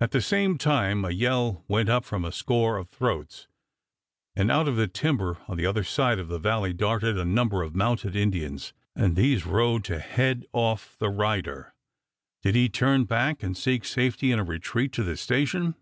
At the same time a yell went up from a score of throats, and out of the timber on the other side of the valley darted a number of mounted Indians, and these rode to head off the rider. Did he turn back and seek safety in a retreat to the station?